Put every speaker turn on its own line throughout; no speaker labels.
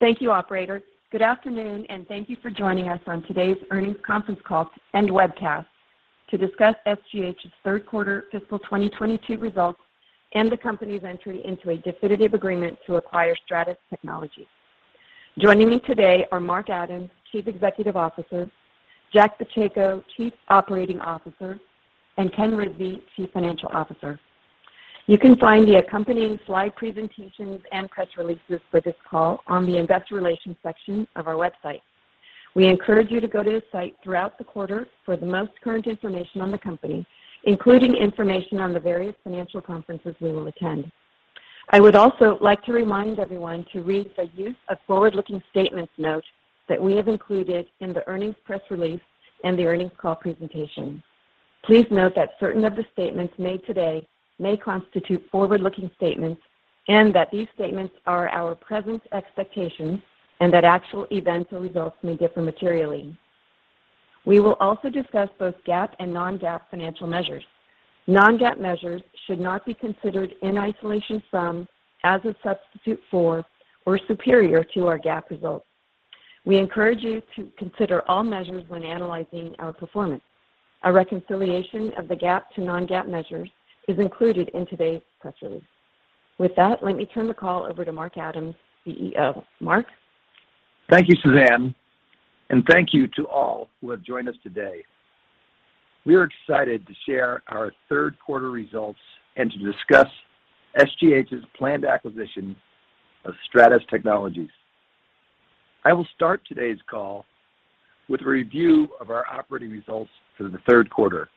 Thank you, operator. Good afternoon, and thank you for joining us on today's earnings conference call and webcast to discuss SGH's third quarter fiscal 2022 results and the company's entry into a definitive agreement to acquire Stratus Technologies. Joining me today are Mark Adams, Chief Executive Officer, Jack Pacheco, Chief Operating Officer, and Ken Rizvi, Chief Financial Officer. You can find the accompanying slide presentations and press releases for this call on the investor relations section of our website. We encourage you to go to the site throughout the quarter for the most current information on the company, including information on the various financial conferences we will attend. I would also like to remind everyone to read the use of forward-looking statements note that we have included in the earnings press release and the earnings call presentation. Please note that certain of the statements made today may constitute forward-looking statements and that these statements are our present expectations and that actual events or results may differ materially. We will also discuss both GAAP and non-GAAP financial measures. Non-GAAP measures should not be considered in isolation from, as a substitute for, or superior to our GAAP results. We encourage you to consider all measures when analyzing our performance. A reconciliation of the GAAP to non-GAAP measures is included in today's press release. With that, let me turn the call over to Mark Adams, CEO. Mark?
Thank you, Suzanne, and thank you to all who have joined us today. We are excited to share our third quarter results and to discuss SGH's planned acquisition of Stratus Technologies. I will start today's call with a review of our operating results for the third quarter.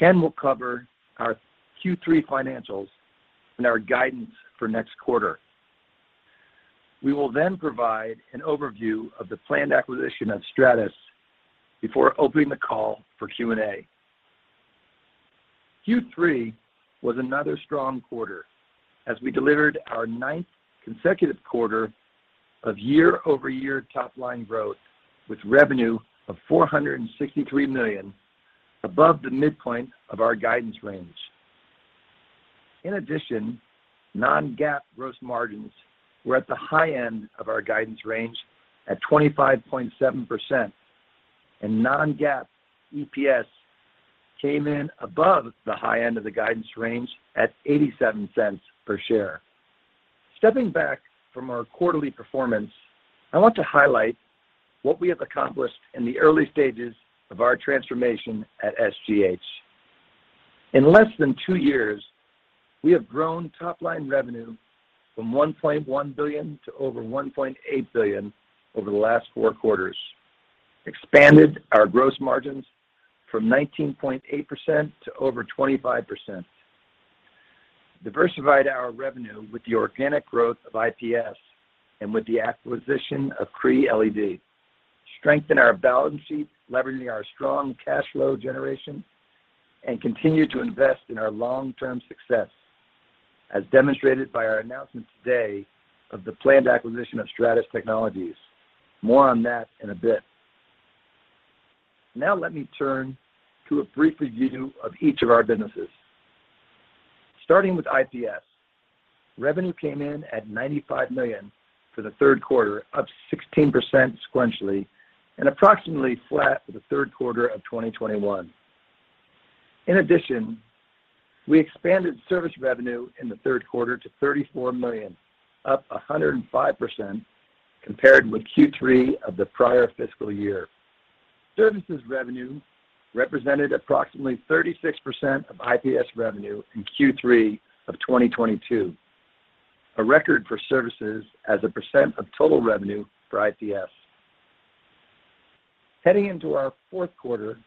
Ken will cover our Q3 financials and our guidance for next quarter. We will then provide an overview of the planned acquisition of Stratus before opening the call for Q&A. Q3 was another strong quarter as we delivered our ninth consecutive quarter of year-over-year top line growth with revenue of $463 million above the midpoint of our guidance range. In addition, non-GAAP gross margins were at the high end of our guidance range at 25.7%, and non-GAAP EPS came in above the high end of the guidance range at $0.87 per share. Stepping back from our quarterly performance, I want to highlight what we have accomplished in the early stages of our transformation at SGH. In less than two years, we have grown top-line revenue from $1.1 billion to over $1.8 billion over the last four quarters, expanded our gross margins from 19.8% to over 25%, diversified our revenue with the organic growth of IPS and with the acquisition of Cree LED, strengthened our balance sheet, leveraging our strong cash flow generation, and continue to invest in our long-term success as demonstrated by our announcement today of the planned acquisition of Stratus Technologies. More on that in a bit. Now let me turn to a brief review of each of our businesses. Starting with IPS. Revenue came in at $95 million for the third quarter, up 16% sequentially and approximately flat for the third quarter of 2021. In addition, we expanded service revenue in the third quarter to $34 million, up 105% compared with Q3 of the prior fiscal year. Services revenue represented approximately 36% of IPS revenue in Q3 of 2022, a record for services as a percent of total revenue for IPS. Heading into our fourth quarter,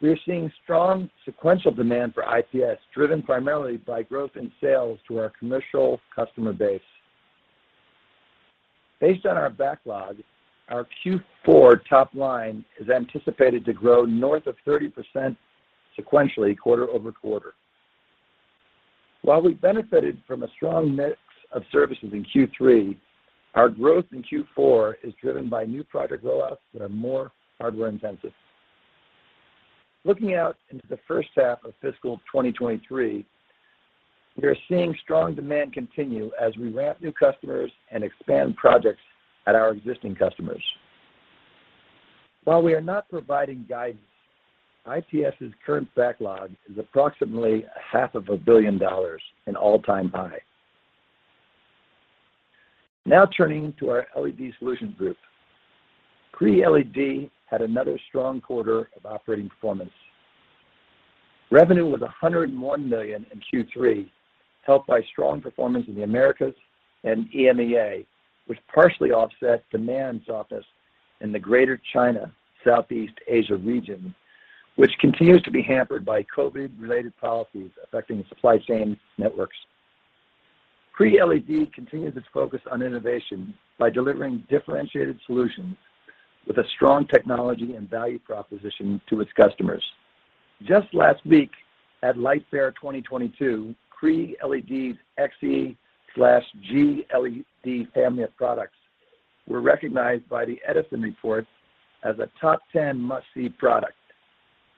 we are seeing strong sequential demand for IPS, driven primarily by growth in sales to our commercial customer base. Based on our backlog, our Q4 top line is anticipated to grow north of 30% sequentially quarter over quarter. While we benefited from a strong mix of services in Q3, our growth in Q4 is driven by new project rollouts that are more hardware-intensive. Looking out into the first half of fiscal 2023, we are seeing strong demand continue as we ramp new customers and expand projects at our existing customers. While we are not providing guidance, IPS's current backlog is approximately a half of a billion dollars, an all-time high. Now turning to our LED Solutions Group. Cree LED had another strong quarter of operating performance. Revenue was $101 million in Q3, helped by strong performance in the Americas and EMEA, which partially offset demand softness in the Greater China, Southeast Asia region, which continues to be hampered by COVID-related policies affecting supply chain networks. Cree LED continues its focus on innovation by delivering differentiated solutions with a strong technology and value proposition to its customers. Just last week at LightFair 2022, Cree LED's XE/G LED family of products were recognized by The Edison Report as a top ten must-see product.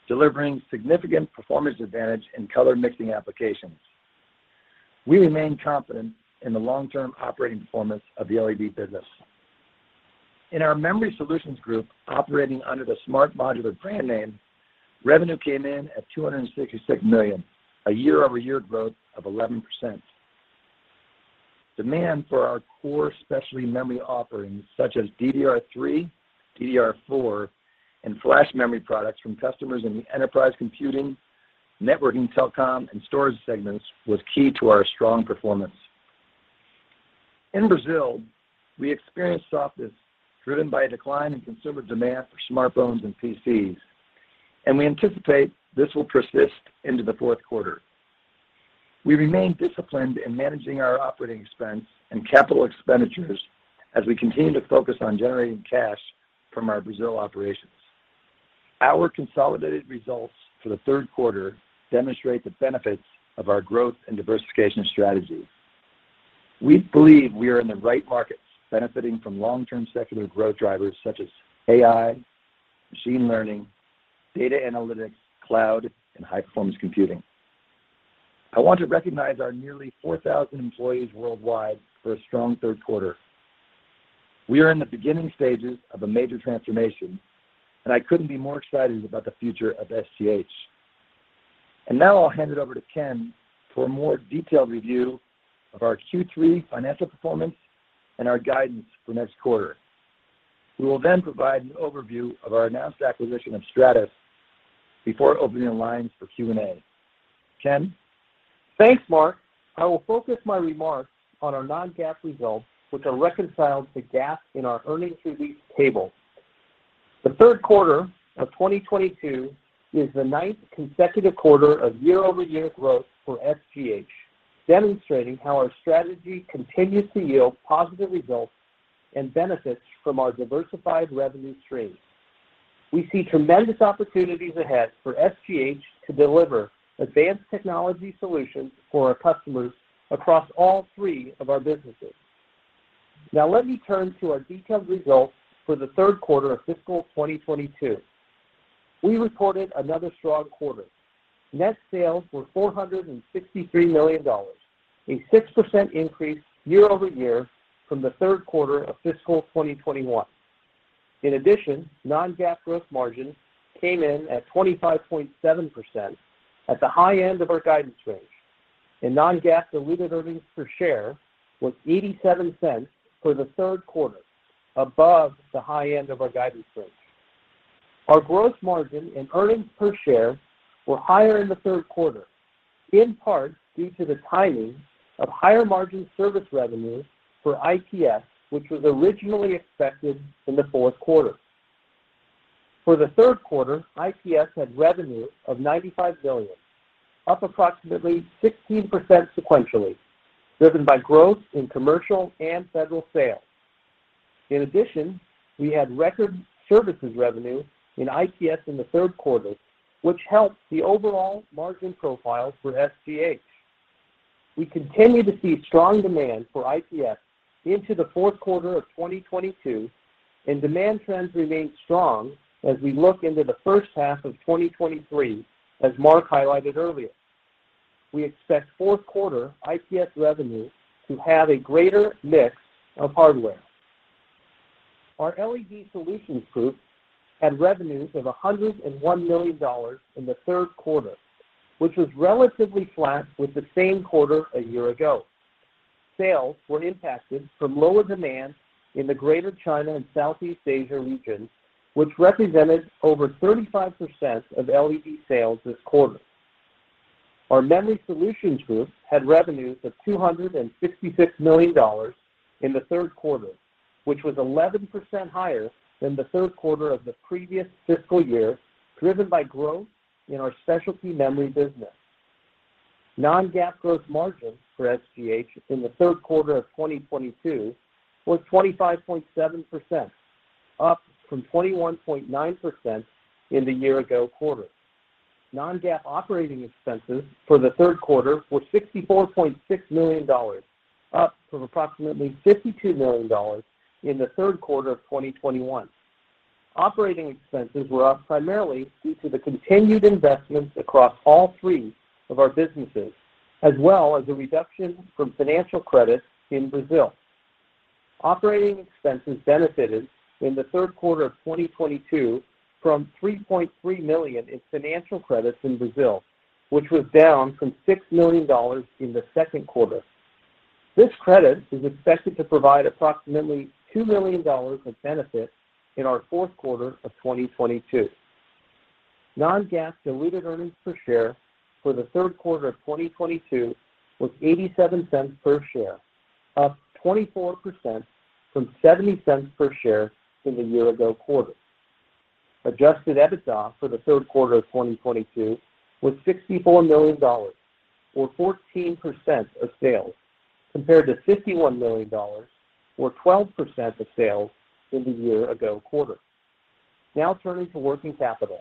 Delivering significant performance advantage in color mixing applications. We remain confident in the long-term operating performance of the LED business. In our Memory Solutions Group, operating under the SMART Modular brand name, revenue came in at $266 million, a year-over-year growth of 11%. Demand for our core specialty memory offerings, such as DDR3, DDR4, and flash memory products from customers in the enterprise computing, networking, telecom, and storage segments, was key to our strong performance. In Brazil, we experienced softness driven by a decline in consumer demand for smartphones and PCs, and we anticipate this will persist into the fourth quarter. We remain disciplined in managing our operating expense and capital expenditures as we continue to focus on generating cash from our Brazil operations. Our consolidated results for the third quarter demonstrate the benefits of our growth and diversification strategy. We believe we are in the right markets, benefiting from long-term secular growth drivers such as AI, machine learning, data analytics, cloud, and high-performance computing. I want to recognize our nearly 4,000 employees worldwide for a strong third quarter. We are in the beginning stages of a major transformation, and I couldn't be more excited about the future of SGH. Now I'll hand it over to Ken for a more detailed review of our Q3 financial performance and our guidance for next quarter. We will then provide an overview of our announced acquisition of Stratus Technologies before opening the lines for Q&A. Ken?
Thanks, Mark. I will focus my remarks on our non-GAAP results, which are reconciled to GAAP in our earnings release table. The third quarter of 2022 is the ninth consecutive quarter of year-over-year growth for SGH, demonstrating how our strategy continues to yield positive results and benefits from our diversified revenue streams. We see tremendous opportunities ahead for SGH to deliver advanced technology solutions for our customers across all three of our businesses. Now let me turn to our detailed results for the third quarter of fiscal 2022. We reported another strong quarter. Net sales were $463 million, a 6% increase year over year from the third quarter of fiscal 2021. In addition, non-GAAP gross margin came in at 25.7% at the high end of our guidance range, and non-GAAP diluted earnings per share was $0.87 for the third quarter, above the high end of our guidance range. Our gross margin and earnings per share were higher in the third quarter, in part due to the timing of higher-margin service revenue for IPS, which was originally expected in the fourth quarter. For the third quarter, IPS had revenue of $95 million, up approximately 16% sequentially, driven by growth in commercial and federal sales. In addition, we had record services revenue in IPS in the third quarter, which helped the overall margin profile for SGH. We continue to see strong demand for IPS into the fourth quarter of 2022, and demand trends remain strong as we look into the first half of 2023, as Mark highlighted earlier. We expect fourth quarter IPS revenue to have a greater mix of hardware. Our LED Solutions Group had revenues of $101 million in the third quarter, which was relatively flat with the same quarter a year ago. Sales were impacted from lower demand in the Greater China and Southeast Asia region, which represented over 35% of LED sales this quarter. Our Memory Solutions Group had revenues of $266 million in the third quarter, which was 11% higher than the third quarter of the previous fiscal year, driven by growth in our specialty memory business. Non-GAAP gross margin for SGH in the third quarter of 2022 was 25.7%, up from 21.9% in the year ago quarter. Non-GAAP operating expenses for the third quarter were $64.6 million, up from approximately $52 million in the third quarter of 2021. Operating expenses were up primarily due to the continued investments across all three of our businesses, as well as a reduction from financial credits in Brazil. Operating expenses benefited in the third quarter of 2022 from $3.3 million in financial credits in Brazil, which was down from $6 million in the second quarter. This credit is expected to provide approximately $2 million of benefit in our fourth quarter of 2022. non-GAAP diluted earnings per share for the third quarter of 2022 was $0.87 per share, up 24% from $0.70 per share in the year ago quarter. Adjusted EBITDA for the third quarter of 2022 was $64 million, or 14% of sales, compared to $51 million, or 12% of sales, in the year ago quarter. Now turning to working capital.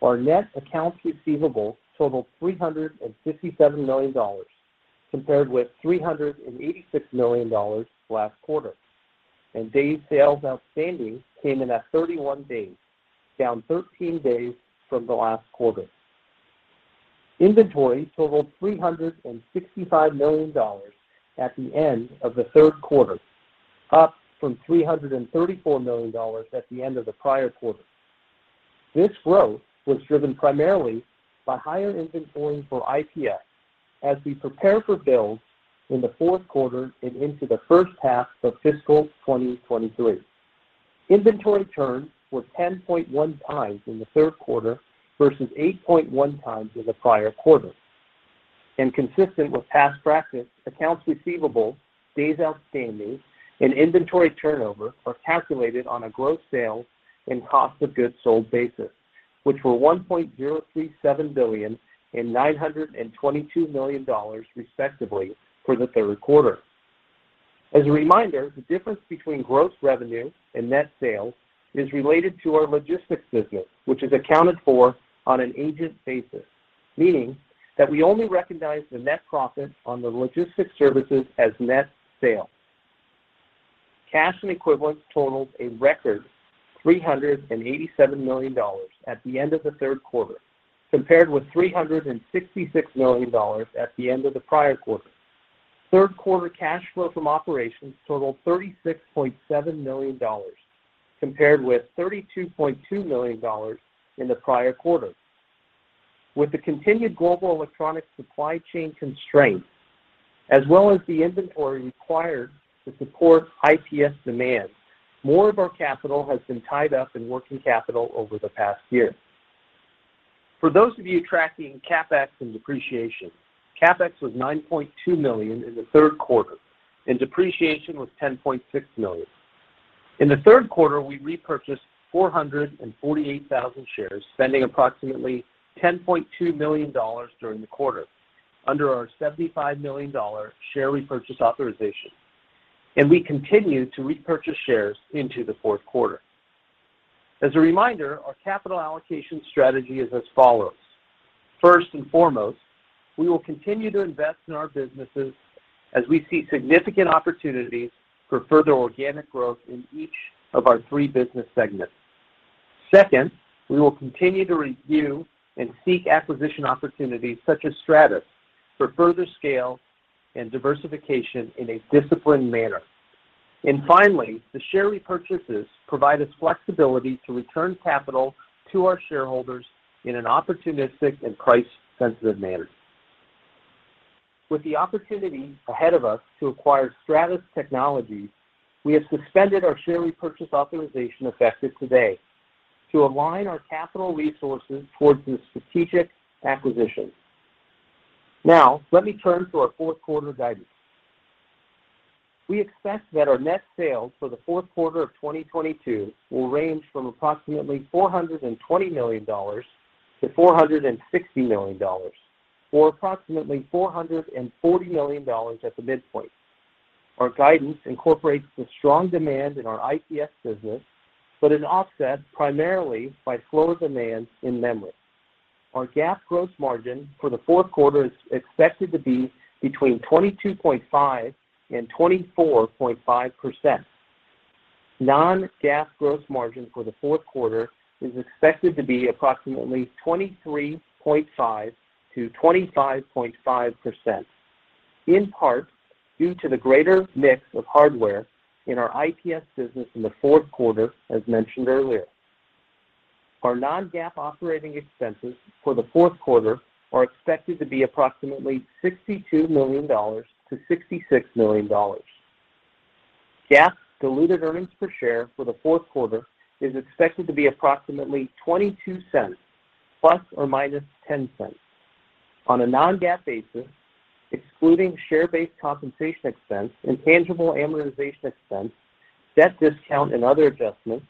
Our net accounts receivable totaled $357 million compared with $386 million last quarter. Day sales outstanding came in at 31 days, down 13 days from the last quarter. Inventory totaled $365 million at the end of the third quarter, up from $334 million at the end of the prior quarter. This growth was driven primarily by higher inventory for IPS as we prepare for builds in the fourth quarter and into the first half of fiscal 2023. Inventory turns were 10.1 times in the third quarter versus 8.1 times in the prior quarter. Consistent with past practice, accounts receivable, days outstanding, and inventory turnover are calculated on a gross sales and cost of goods sold basis, which were $1.037 billion and $922 million respectively for the third quarter. As a reminder, the difference between gross revenue and net sales is related to our logistics business, which is accounted for on an agent basis, meaning that we only recognize the net profit on the logistics services as net sales. Cash and equivalents totaled a record $387 million at the end of the third quarter, compared with $366 million at the end of the prior quarter. Third quarter cash flow from operations totaled $36.7 million, compared with $32.2 million in the prior quarter. With the continued global electronic supply chain constraints as well as the inventory required to support IPS demand, more of our capital has been tied up in working capital over the past year. For those of you tracking CapEx and depreciation, CapEx was $9.2 million in the third quarter, and depreciation was $10.6 million. In the third quarter, we repurchased 448,000 shares, spending approximately $10.2 million during the quarter under our $75 million share repurchase authorization. We continue to repurchase shares into the fourth quarter. As a reminder, our capital allocation strategy is as follows. First and foremost, we will continue to invest in our businesses as we see significant opportunities for further organic growth in each of our three business segments. Second, we will continue to review and seek acquisition opportunities such as Stratus for further scale and diversification in a disciplined manner. Finally, the share repurchases provide us flexibility to return capital to our shareholders in an opportunistic and price-sensitive manner. With the opportunity ahead of us to acquire Stratus Technologies, we have suspended our share repurchase authorization effective today to align our capital resources towards this strategic acquisition. Now let me turn to our fourth quarter guidance. We expect that our net sales for the fourth quarter of 2022 will range from approximately $420 million-$460 million or approximately $440 million at the midpoint. Our guidance incorporates the strong demand in our IPS business, but is offset primarily by slower demand in memory. Our GAAP gross margin for the fourth quarter is expected to be between 22.5% and 24.5%. Non-GAAP gross margin for the fourth quarter is expected to be approximately 23.5%-25.5%, in part due to the greater mix of hardware in our IPS business in the fourth quarter as mentioned earlier. Our non-GAAP operating expenses for the fourth quarter are expected to be approximately $62 million-$66 million. GAAP diluted earnings per share for the fourth quarter is expected to be approximately $0.22 ±$0.10. On a non-GAAP basis, excluding share-based compensation expense and tangible amortization expense, debt discount and other adjustments,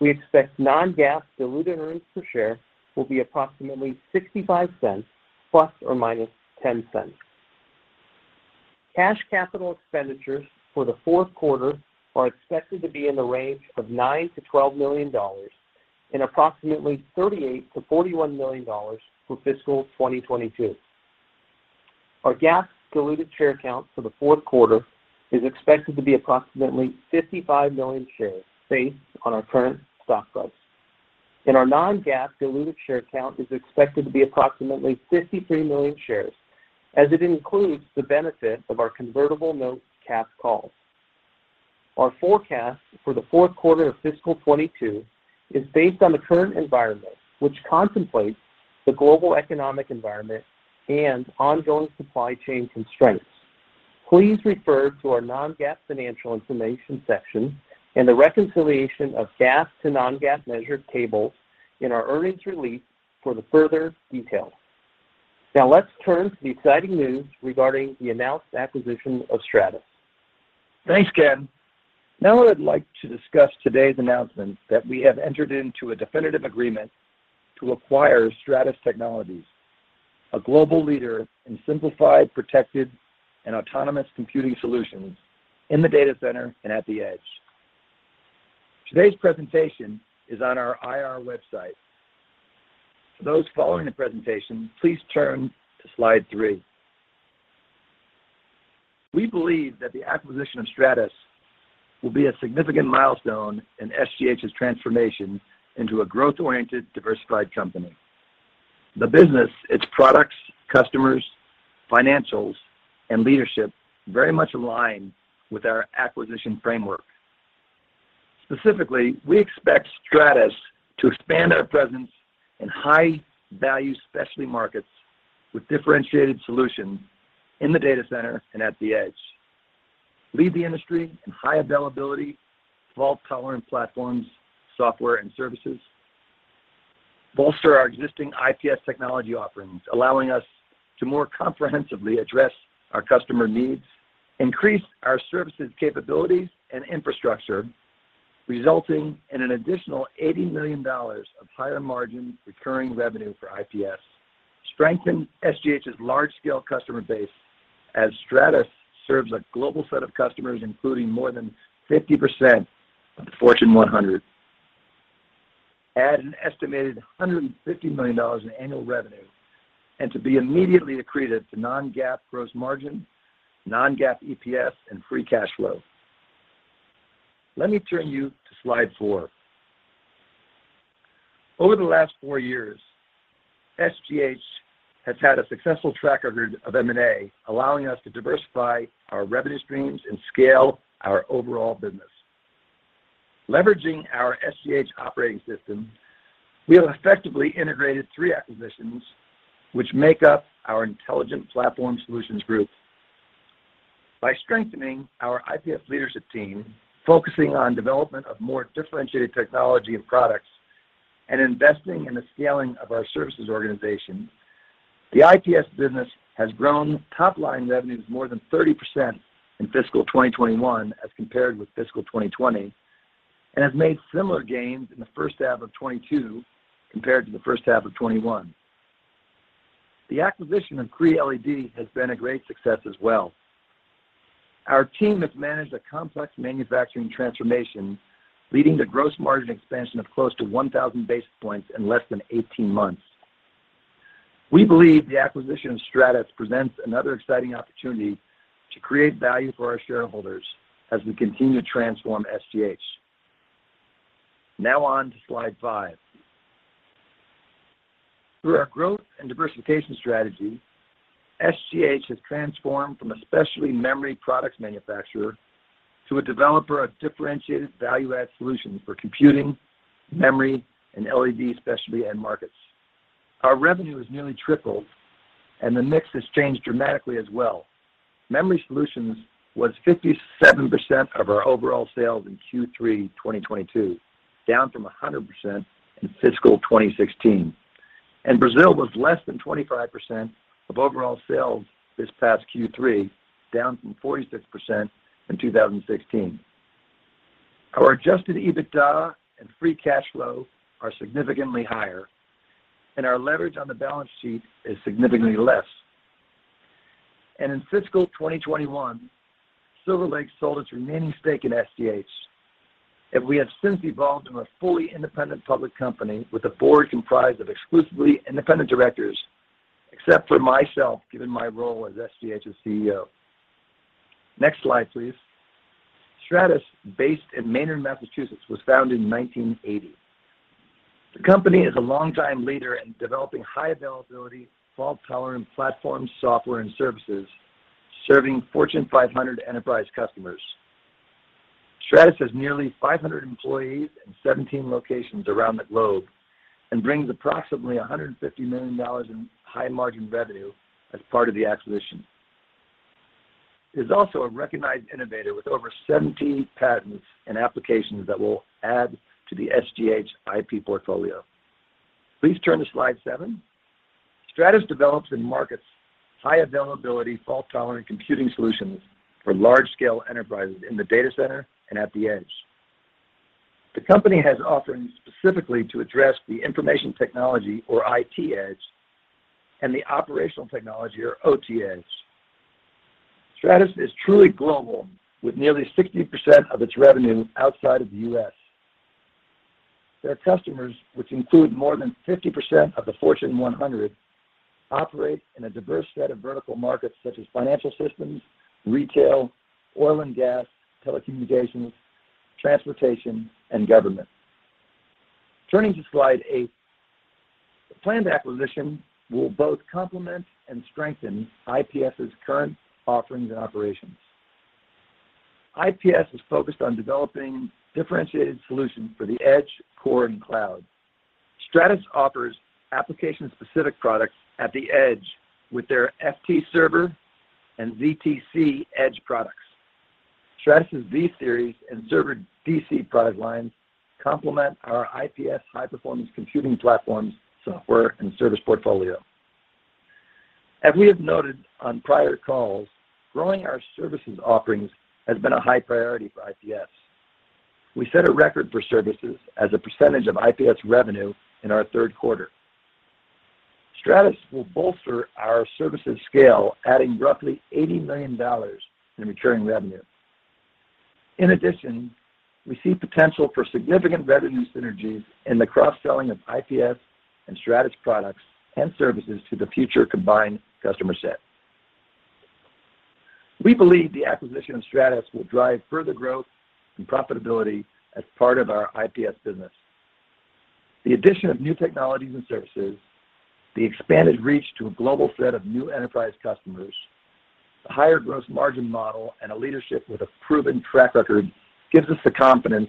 we expect non-GAAP diluted earnings per share will be approximately $0.65 ±$0.10. Cash capital expenditures for the fourth quarter are expected to be in the range of $9 million-$12 million and approximately $38 million-$41 million for fiscal 2022. Our GAAP diluted share count for the fourth quarter is expected to be approximately 55 million shares based on our current stock price. Our non-GAAP diluted share count is expected to be approximately 53 million shares as it includes the benefit of our convertible note cash calls. Our forecast for the fourth quarter of fiscal 2022 is based on the current environment, which contemplates the global economic environment and ongoing supply chain constraints. Please refer to our non-GAAP financial information section and the reconciliation of GAAP to non-GAAP measure tables in our earnings release for the further details. Now let's turn to the exciting news regarding the announced acquisition of Stratus.
Thanks, Ken. Now I'd like to discuss today's announcement that we have entered into a definitive agreement to acquire Stratus Technologies, a global leader in simplified, protected, and autonomous computing solutions in the data center and at the edge. Today's presentation is on our IR website. For those following the presentation, please turn to slide three. We believe that the acquisition of Stratus will be a significant milestone in SGH's transformation into a growth-oriented, diversified company. The business, its products, customers, financials, and leadership very much align with our acquisition framework. Specifically, we expect Stratus to expand our presence in high-value specialty markets with differentiated solutions in the data center and at the edge, lead the industry in high availability, fault-tolerant platforms, software, and services, bolster our existing IPS technology offerings, allowing us to more comprehensively address our customer needs, increase our services capabilities and infrastructure, resulting in an additional $80 million of higher margin recurring revenue for IPS, strengthen SGH's large-scale customer base as Stratus serves a global set of customers, including more than 50% of the Fortune 100, add an estimated $150 million in annual revenue, and to be immediately accretive to non-GAAP gross margin, non-GAAP EPS, and free cash flow. Let me turn you to slide four. Over the last four years, SGH has had a successful track record of M&A, allowing us to diversify our revenue streams and scale our overall business. Leveraging our SGH operating system, we have effectively integrated three acquisitions which make up our Intelligent Platform Solutions Group. By strengthening our IPS leadership team, focusing on development of more differentiated technology and products, and investing in the scaling of our services organization, the IPS business has grown top-line revenues more than 30% in fiscal 2021 as compared with fiscal 2020, and has made similar gains in the first half of 2022 compared to the first half of 2021. The acquisition of Cree LED has been a great success as well. Our team has managed a complex manufacturing transformation, leading to gross margin expansion of close to 1,000 basis points in less than 18 months. We believe the acquisition of Stratus presents another exciting opportunity to create value for our shareholders as we continue to transform SGH. Now on to slide five. Through our growth and diversification strategy, SGH has transformed from a specialty memory products manufacturer to a developer of differentiated value-add solutions for computing, memory, and LED specialty end markets. Our revenue has nearly tripled, and the mix has changed dramatically as well. Memory solutions was 57% of our overall sales in Q3 2022, down from 100% in fiscal 2016. Brazil was less than 25% of overall sales this past Q3, down from 46% in 2016. Our adjusted EBITDA and free cash flow are significantly higher, and our leverage on the balance sheet is significantly less. In fiscal 2021, Silver Lake sold its remaining stake in SGH, and we have since evolved into a fully independent public company with a board comprised of exclusively independent directors, except for myself, given my role as SGH's CEO. Next slide, please. Stratus, based in Maynard, Massachusetts, was founded in 1980. The company is a longtime leader in developing high-availability, fault-tolerant platform software and services, serving Fortune 500 enterprise customers. Stratus has nearly 500 employees and 17 locations around the globe and brings approximately $150 million in high-margin revenue as part of the acquisition. It is also a recognized innovator with over 70 patents and applications that will add to the SGH IP portfolio. Please turn to slide seven. Stratus develops and markets high-availability, fault-tolerant computing solutions for large-scale enterprises in the data center and at the edge. The company has offerings specifically to address the information technology, or IT edge, and the operational technology, or OT edge. Stratus is truly global, with nearly 60% of its revenue outside of the U.S. Their customers, which include more than 50% of the Fortune 100, operate in a diverse set of vertical markets such as financial systems, retail, oil and gas, telecommunications, transportation, and government. Turning to slide eight, the planned acquisition will both complement and strengthen IPS's current offerings and operations. IPS is focused on developing differentiated solutions for the edge, core, and cloud. Stratus offers application-specific products at the edge with their ftServer and ztC Edge products. Stratus' V Series and Server DC product lines complement our IPS high-performance computing platforms, software, and service portfolio. As we have noted on prior calls, growing our services offerings has been a high priority for IPS. We set a record for services as a percentage of IPS revenue in our third quarter. Stratus will bolster our services scale, adding roughly $80 million in recurring revenue. In addition, we see potential for significant revenue synergies in the cross-selling of IPS and Stratus products and services to the future combined customer set. We believe the acquisition of Stratus will drive further growth and profitability as part of our IPS business. The addition of new technologies and services, the expanded reach to a global set of new enterprise customers, the higher gross margin model, and a leadership with a proven track record gives us the confidence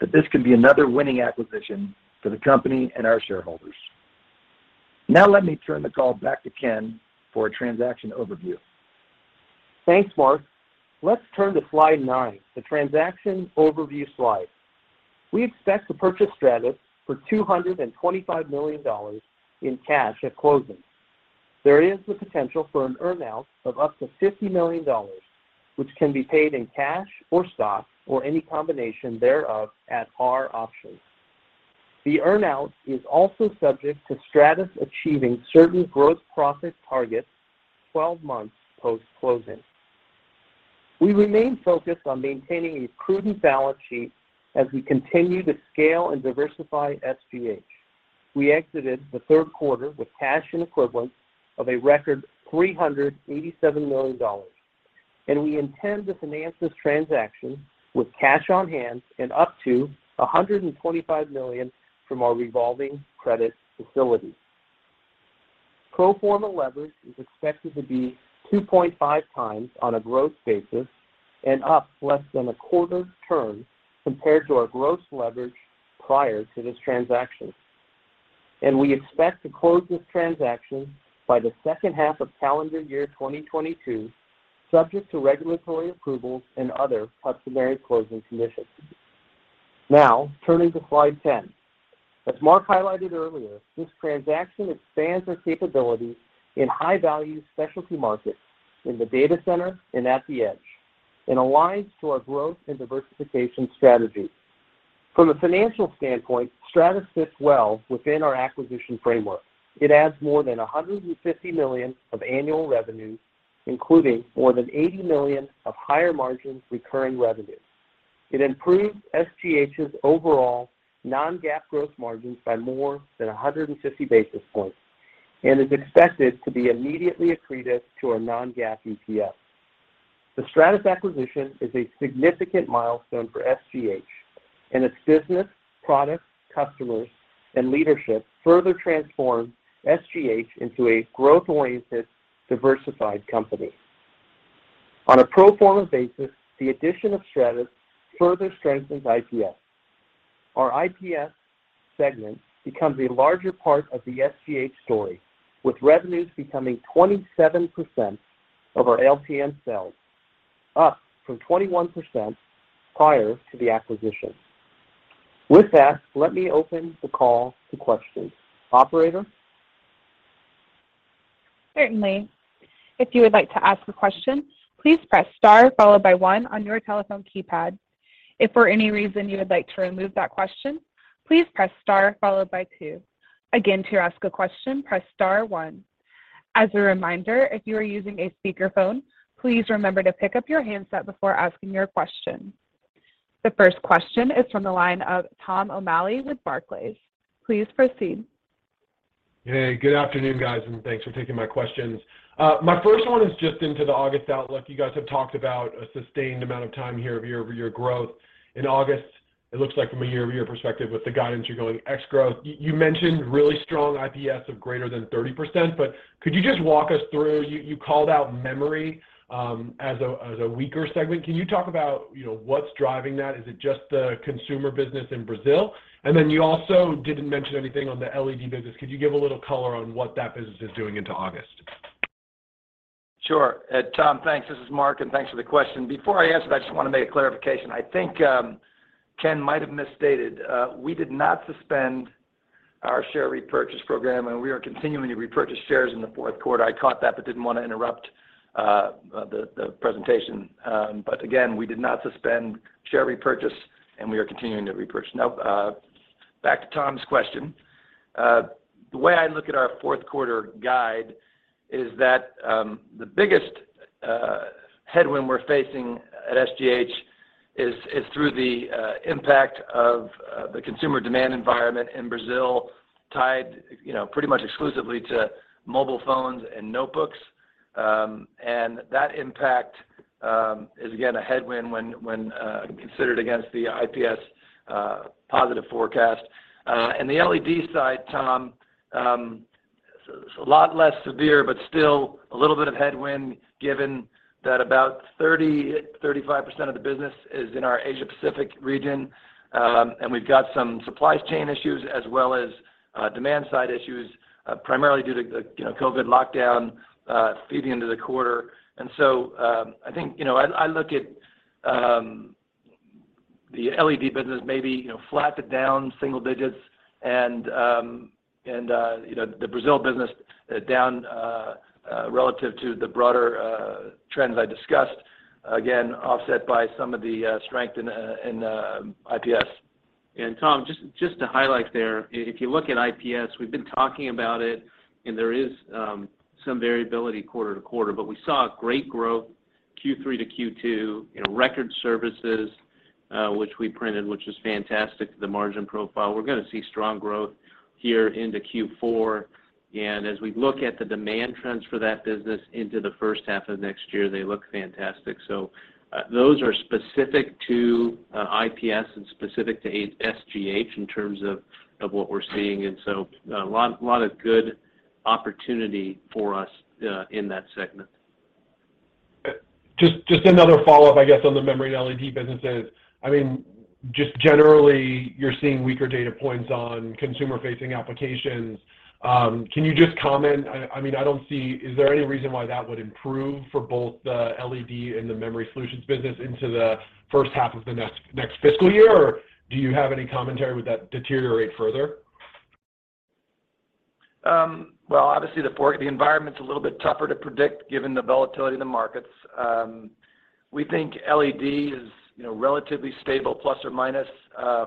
that this can be another winning acquisition for the company and our shareholders. Now let me turn the call back to Ken for a transaction overview.
Thanks, Mark. Let's turn to slide nine, the transaction overview slide. We expect to purchase Stratus for $225 million in cash at closing. There is the potential for an earn-out of up to $50 million, which can be paid in cash or stock or any combination thereof at our option. The earn-out is also subject to Stratus achieving certain gross profit targets 12 months post-closing. We remain focused on maintaining a prudent balance sheet as we continue to scale and diversify SGH. We exited the third quarter with cash and equivalents of a record $387 million, and we intend to finance this transaction with cash on hand and up to $125 million from our revolving credit facility. Pro forma leverage is expected to be 2.5 times on a growth basis and up less than a quarter turn compared to our growth leverage prior to this transaction. We expect to close this transaction by the second half of calendar year 2022, subject to regulatory approvals and other customary closing conditions. Now turning to slide 10. As Mark highlighted earlier, this transaction expands our capabilities in high-value specialty markets in the data center and at the edge and aligns to our growth and diversification strategy. From a financial standpoint, Stratus fits well within our acquisition framework. It adds more than $150 million of annual revenues, including more than $80 million of higher margin recurring revenues. It improves SGH's overall non-GAAP gross margins by more than 150 basis points and is expected to be immediately accretive to our non-GAAP EPS. The Stratus acquisition is a significant milestone for SGH, and its business, products, customers, and leadership further transform SGH into a growth-oriented, diversified company. On a pro forma basis, the addition of Stratus further strengthens IPS. Our IPS segment becomes a larger part of the SGH story, with revenues becoming 27% of our LTM sales, up from 21% prior to the acquisition. With that, let me open the call to questions. Operator?
Certainly. If you would like to ask a question, please press star followed by one on your telephone keypad. If for any reason you would like to remove that question, please press star followed by two. Again, to ask a question, press star one. As a reminder, if you are using a speakerphone, please remember to pick up your handset before asking your question. The first question is from the line of Tom O'Malley with Barclays. Please proceed.
Hey, good afternoon, guys, and thanks for taking my questions. My first one is just into the August outlook. You guys have talked about a sustained amount of time here of year-over-year growth. In August, it looks like from a year-over-year perspective with the guidance you're going ex growth. You mentioned really strong IPS of greater than 30%, but could you just walk us through, you called out memory as a weaker segment. Can you talk about, you know, what's driving that? Is it just the consumer business in Brazil? And then you also didn't mention anything on the LED business. Could you give a little color on what that business is doing into August?
Sure. Tom, thanks. This is Mark, and thanks for the question. Before I answer that, I just want to make a clarification. I think, Ken might have misstated. We did not suspend our share repurchase program, and we are continuing to repurchase shares in the fourth quarter. I caught that but didn't want to interrupt the presentation. Again, we did not suspend share repurchase, and we are continuing to repurchase. Now, back to Tom's question. The way I look at our fourth quarter guide is that, the biggest headwind we're facing at SGH is through the impact of the consumer demand environment in Brazil tied, you know, pretty much exclusively to mobile phones and notebooks. That impact is again a headwind when considered against the IPS positive forecast. The LED side, Tom, it's a lot less severe but still a little bit of headwind given that about 30%-35% of the business is in our Asia Pacific region. We've got some supply chain issues as well as demand side issues, primarily due to the, you know, COVID lockdown feeding into the quarter. I think you know I look at the LED business maybe you know flat to down single digits and you know the Brazil business down relative to the broader trends I discussed again offset by some of the strength in IPS. Tom just to highlight there if you look at IPS we've been talking about it and there is some variability quarter to quarter but we saw great growth Q2 to Q3 in record services which we printed which is fantastic the margin profile. We're gonna see strong growth here into Q4. As we look at the demand trends for that business into the first half of next year they look fantastic. Those are specific to IPS and specific to SGH in terms of what we're seeing. A lot of good opportunity for us in that segment.
Just another follow-up, I guess, on the memory and LED businesses. I mean, just generally, you're seeing weaker data points on consumer-facing applications. Can you just comment? I mean, I don't see, is there any reason why that would improve for both the LED and the memory solutions business into the first half of the next fiscal year? Or do you have any commentary, would that deteriorate further?
Well, obviously the environment's a little bit tougher to predict given the volatility of the markets. We think LED is, you know, relatively stable plus or minus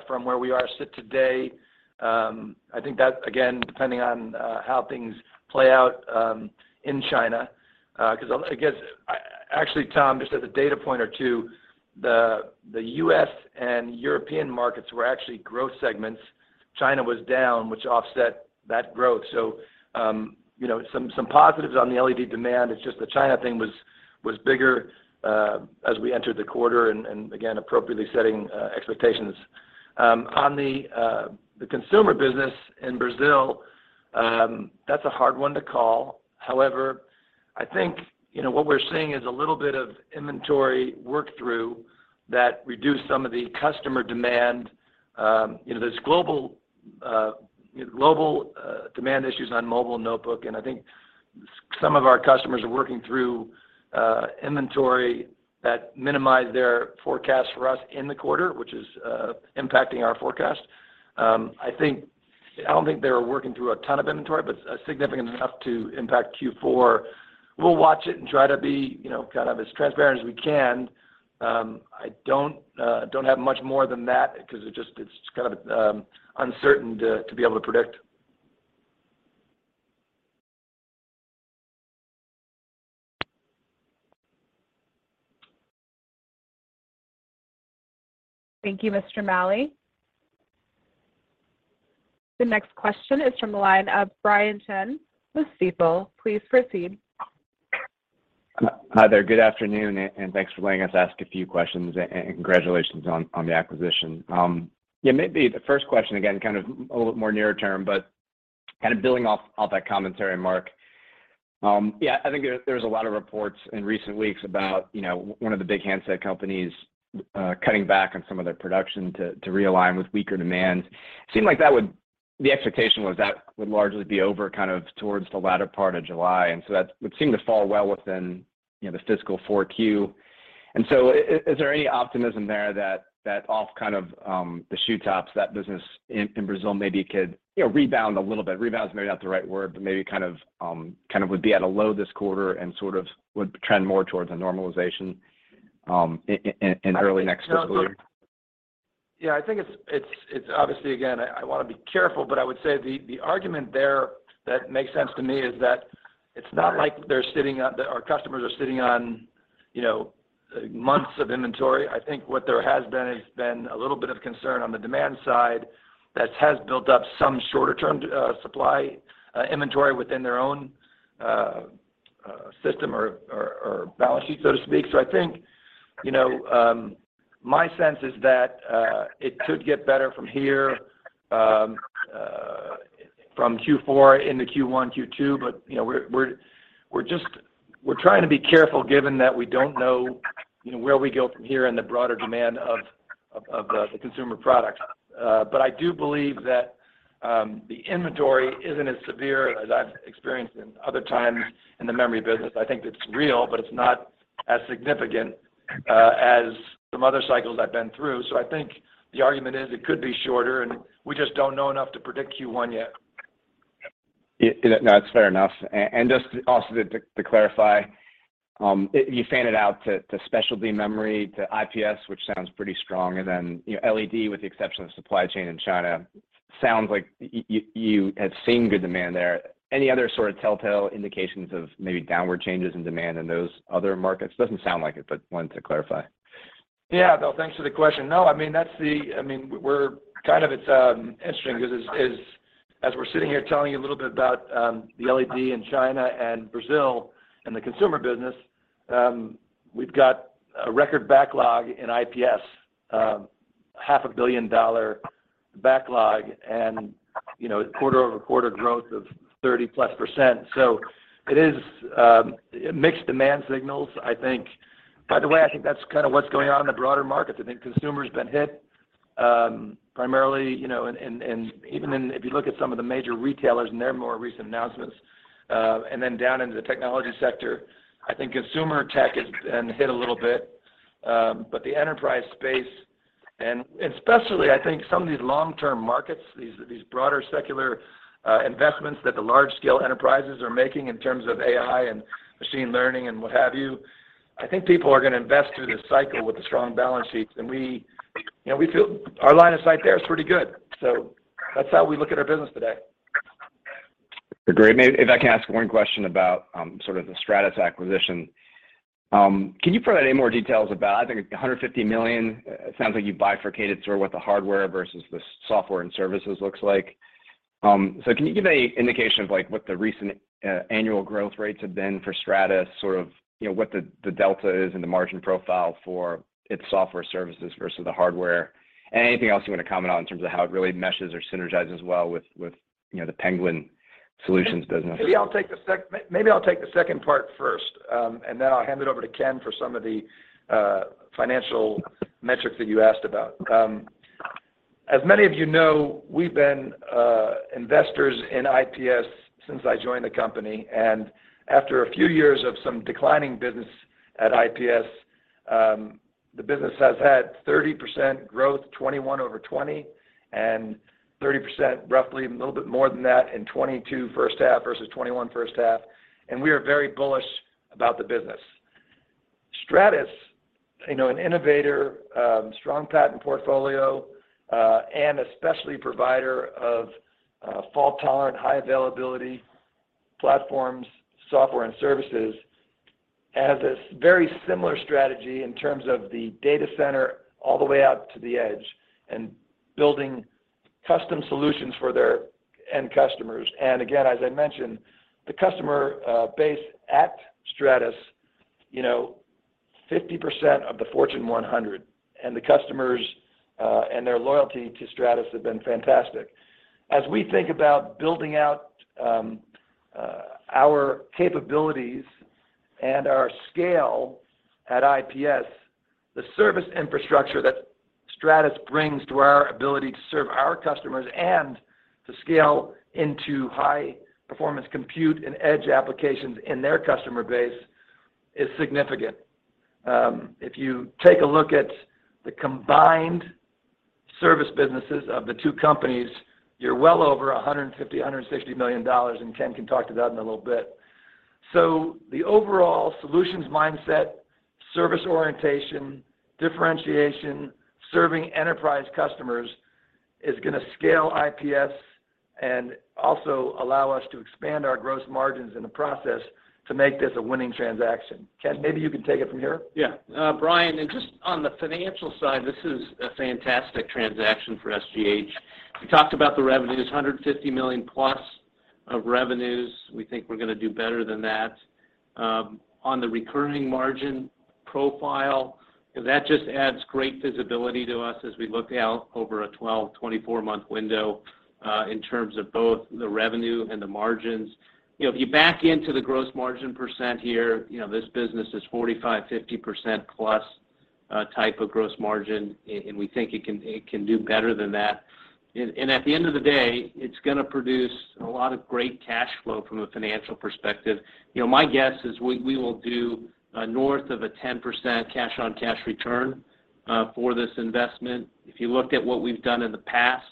from where we are sitting today. I think that, again, depending on how things play out in China, 'cause actually, Tom, just as a data point or two, the U.S. and European markets were actually growth segments. China was down, which offset that growth. You know, some positives on the LED demand, it's just the China thing was bigger as we entered the quarter and again, appropriately setting expectations. On the consumer business in Brazil, that's a hard one to call. However, I think what we're seeing is a little bit of inventory work through that reduced some of the customer demand. There's global demand issues on mobile notebook, and I think some of our customers are working through inventory that minimize their forecast for us in the quarter, which is impacting our forecast. I don't think they were working through a ton of inventory, but significant enough to impact Q4. We'll watch it and try to be kind of as transparent as we can. I don't have much more than that because it's kind of uncertain to be able to predict.
Thank you, Tom O'Malley. The next question is from the line of Brian Chin with Stifel. Please proceed.
Hi there. Good afternoon, and thanks for letting us ask a few questions, and congratulations on the acquisition. Maybe the first question, again, kind of a little bit more near term, but kind of building off that commentary, Mark. I think there's a lot of reports in recent weeks about one of the big handset companies cutting back on some of their production to realign with weaker demands. The expectation was that would largely be over kind of towards the latter part of July, and so that would seem to fall well within the fiscal Q4. Is there any optimism there that off kind of the shoe tops, that business in Brazil maybe could rebound a little bit? Rebound is maybe not the right word, but maybe kind of would be at a low this quarter and sort of would trend more towards a normalization, in early next fiscal year.
Yeah. I think it's obviously, again, I want to be careful, but I would say the argument there that makes sense to me is that it's not like our customers are sitting on, you know, months of inventory. I think what there has been has been a little bit of concern on the demand side that has built up some shorter-term supply inventory within their own system or balance sheet, so to speak. I think, you know, my sense is that it could get better from here from Q4 into Q1, Q2. You know, we're just trying to be careful given that we don't know, you know, where we go from here and the broader demand of the consumer products. I do believe that the inventory isn't as severe as I've experienced in other times in the memory business. I think it's real, but it's not as significant as some other cycles I've been through. I think the argument is it could be shorter, and we just don't know enough to predict Q1 yet.
Yeah. No, that's fair enough. Just also to clarify, you fanned it out to specialty memory, to IPS, which sounds pretty strong. You know, LED, with the exception of supply chain in China, sounds like you have seen good demand there. Any other sort of telltale indications of maybe downward changes in demand in those other markets? Doesn't sound like it, but wanted to clarify.
Yeah. No, thanks for the question. I mean, it's interesting because as we're sitting here telling you a little bit about the LED in China and Brazil and the consumer business, we've got a record backlog in IPS, half a billion dollar backlog and, you know, quarter-over-quarter growth of 30%+. It is mixed demand signals, I think. By the way, I think that's kind of what's going on in the broader market. I think consumer has been hit primarily, you know, and even if you look at some of the major retailers and their more recent announcements, and then down into the technology sector, I think consumer tech has been hit a little bit. The enterprise space and especially, I think some of these long-term markets, these broader secular investments that the large scale enterprises are making in terms of AI and machine learning and what have you. I think people are gonna invest through this cycle with the strong balance sheets, and we, you know, we feel our line of sight there is pretty good. That's how we look at our business today.
Great. May I ask one question about sort of the Stratus acquisition. Can you provide any more details about I think $150 million, it sounds like you bifurcated sort of what the hardware versus the software and services looks like. So can you give any indication of like what the recent annual growth rates have been for Stratus, sort of you know what the delta is in the margin profile for its software services versus the hardware? Anything else you want to comment on in terms of how it really meshes or synergizes well with you know the Penguin Solutions business.
Maybe I'll take the second part first, and then I'll hand it over to Ken for some of the financial metrics that you asked about. As many of you know, we've been investors in IPS since I joined the company, and after a few years of some declining business at IPS, the business has had 30% growth, 2021 over 2020, and 30%, roughly a little bit more than that in 2022 first half versus 2021 first half. We are very bullish about the business. Stratus, an innovator, strong patent portfolio, and a specialty provider of fault-tolerant, high-availability platforms, software, and services, has a very similar strategy in terms of the data center all the way out to the edge and building custom solutions for their end customers. Again, as I mentioned, the customer base at Stratus, you know, 50% of the Fortune 100, and the customers and their loyalty to Stratus have been fantastic. As we think about building out our capabilities and our scale at IPS, the service infrastructure that Stratus brings to our ability to serve our customers and to scale into high-performance compute and edge applications in their customer base is significant. If you take a look at the combined service businesses of the two companies, you're well over $150 million-$160 million, and Ken can talk to that in a little bit. The overall solutions mindset, service orientation, differentiation, serving enterprise customers is gonna scale IPS and also allow us to expand our gross margins in the process to make this a winning transaction. Ken, maybe you can take it from here.
Yeah. Brian Chin, just on the financial side, this is a fantastic transaction for SGH. We talked about the revenues, $150 million-plus of revenues. We think we're gonna do better than that. On the recurring margin profile, that just adds great visibility to us as we look out over a 12-24 month window, in terms of both the revenue and the margins. You know, if you back into the gross margin percent here, you know, this business is 45%-50%+ type of gross margin, and we think it can do better than that. At the end of the day, it's gonna produce a lot of great cash flow from a financial perspective. You know, my guess is we will do north of 10% cash-on-cash return for this investment. If you look at what we've done in the past,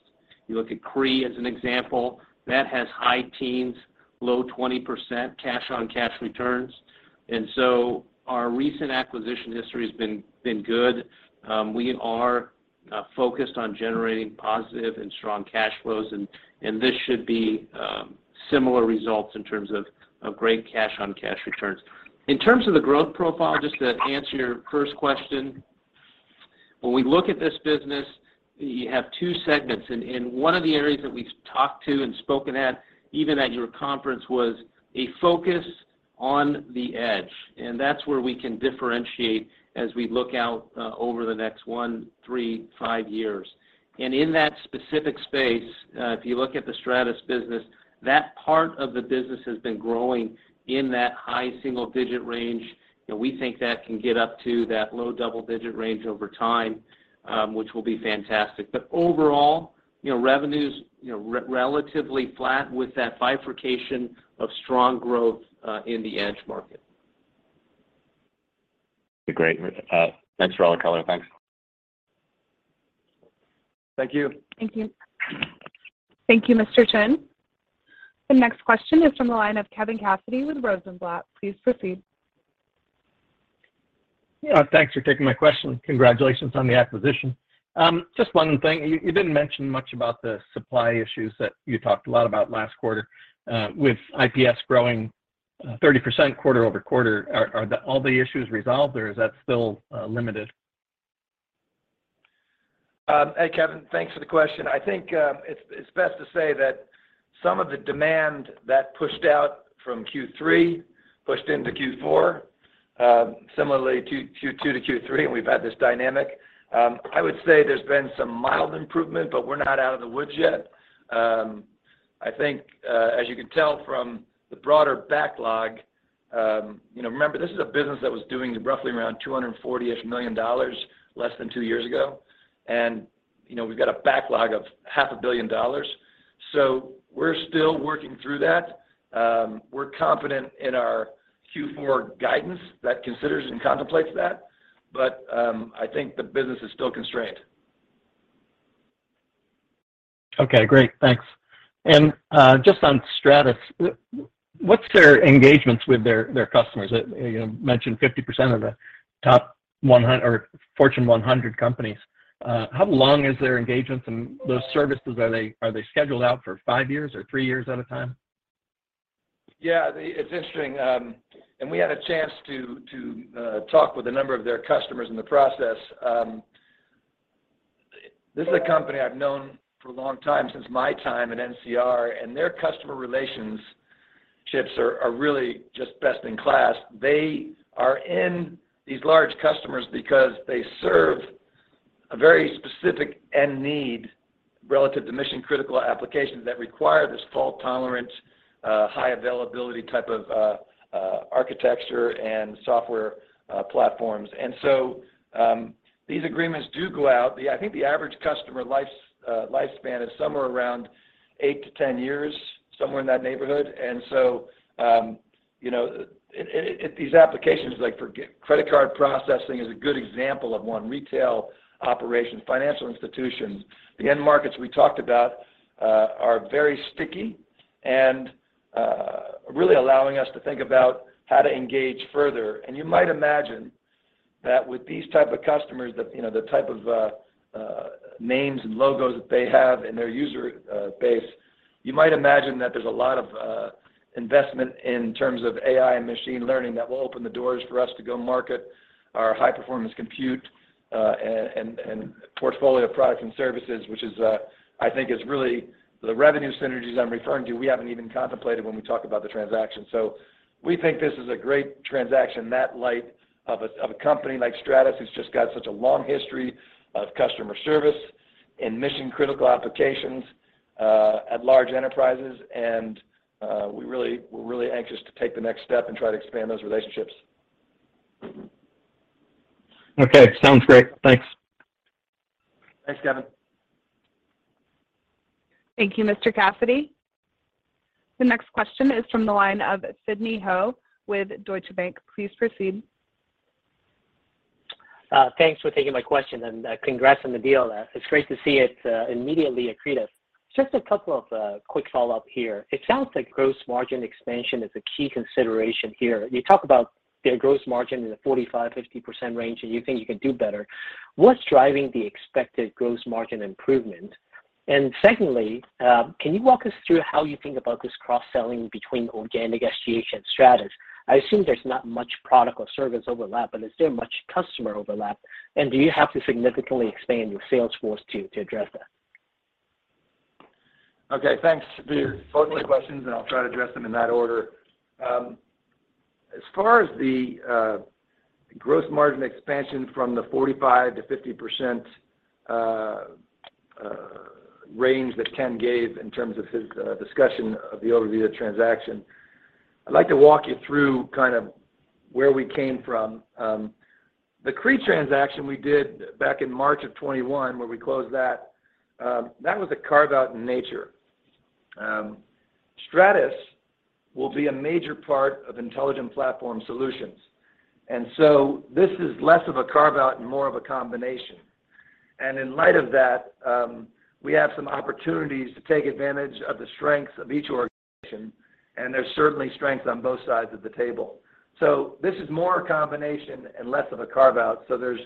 you look at Cree as an example, that has high teens, low 20% cash-on-cash returns. Our recent acquisition history has been good. We are focused on generating positive and strong cash flows and this should be similar results in terms of great cash-on-cash returns. In terms of the growth profile, just to answer your first question, when we look at this business, you have two segments. One of the areas that we've talked about and spoken about at, even at your conference, was a focus on the edge, and that's where we can differentiate as we look out over the next one, three, five years. In that specific space, if you look at the Stratus business, that part of the business has been growing in that high single-digit range, and we think that can get up to that low double-digit range over time, which will be fantastic. Overall, you know, revenues, you know, relatively flat with that bifurcation of strong growth, in the edge market.
Great. Thanks for all the color. Thanks.
Thank you.
Thank you.
Thank you, Mr. Chen. The next question is from the line of Kevin Cassidy with Rosenblatt. Please proceed.
Yeah. Thanks for taking my question. Congratulations on the acquisition. Just one thing. You didn't mention much about the supply issues that you talked a lot about last quarter. With IPS growing 30% quarter-over-quarter, are all the issues resolved, or is that still limited?
Hey, Kevin. Thanks for the question. I think it's best to say that some of the demand that pushed out from Q3 pushed into Q4. Similarly, Q2 to Q3, and we've had this dynamic. I would say there's been some mild improvement, but we're not out of the woods yet. I think as you can tell from the broader backlog, you know, remember, this is a business that was doing roughly around $240-ish million less than two years ago, and you know, we've got a backlog of $500 million. We're still working through that. We're confident in our Q4 guidance that considers and contemplates that, but I think the business is still constrained.
Okay, great. Thanks. Just on Stratus, what's their engagements with their customers? You know, mentioned 50% of the top 100 or Fortune 100 companies. How long is their engagements in those services? Are they scheduled out for five years or three years at a time?
Yeah, it's interesting. We had a chance to talk with a number of their customers in the process. This is a company I've known for a long time, since my time at NCR, and their customer relationships are really just best in class. They are in with these large customers because they serve a very specific end need relative to mission-critical applications that require this fault-tolerant, high availability type of architecture and software platforms. These agreements do go out. I think the average customer lifespan is somewhere around eight to 10 years, somewhere in that neighborhood. These applications, like for credit card processing is a good example of one, retail operations, financial institutions. The end markets we talked about are very sticky and really allowing us to think about how to engage further. You might imagine that with these type of customers that, you know, the type of names and logos that they have in their user base, you might imagine that there's a lot of investment in terms of AI and machine learning that will open the doors for us to go market our high-performance compute and portfolio of products and services, which is, I think is really the revenue synergies I'm referring to, we haven't even contemplated when we talk about the transaction. We think this is a great transaction in that light of a company like Stratus, who's just got such a long history of customer service in mission-critical applications at large enterprises. We're really anxious to take the next step and try to expand those relationships.
Okay. Sounds great. Thanks.
Thanks, Kevin.
Thank you, Mr. Cassidy. The next question is from the line of Sidney Ho with Deutsche Bank. Please proceed.
Thanks for taking my question, and congrats on the deal. It's great to see it immediately accretive. Just a couple of quick follow-up here. It sounds like gross margin expansion is a key consideration here. You talk about their gross margin in the 45%-50% range, and you think you can do better. What's driving the expected gross margin improvement? And secondly, can you walk us through how you think about this cross-selling between organic SGH and Stratus? I assume there's not much product or service overlap, but is there much customer overlap, and do you have to significantly expand your sales force to address that?
Okay. Thanks for both the questions, and I'll try to address them in that order. As far as the gross margin expansion from the 45%-50% range that Ken gave in terms of his discussion of the overview of the transaction, I'd like to walk you through kind of where we came from. The Cree transaction we did back in March of 2021, where we closed that was a carve-out in nature. Stratus will be a major part of Intelligent Platform Solutions. This is less of a carve-out and more of a combination. In light of that, we have some opportunities to take advantage of the strengths of each organization, and there's certainly strengths on both sides of the table. This is more a combination and less of a carve-out. There's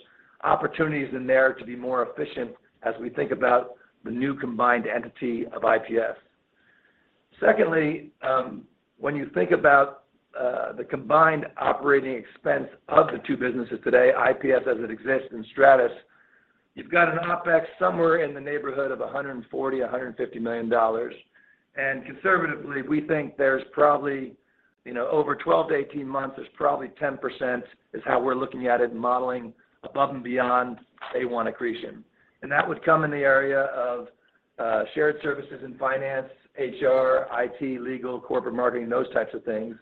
opportunities in there to be more efficient as we think about the new combined entity of IPS. Secondly, when you think about the combined operating expense of the two businesses today, IPS as it exists in Stratus, you've got an OpEx somewhere in the neighborhood of $140 million-$150 million. Conservatively, we think there's probably, you know, over 12-18 months, there's probably 10% is how we're looking at it and modeling above and beyond day one accretion. That would come in the area of shared services in finance, HR, IT, legal, corporate marketing, those types of things.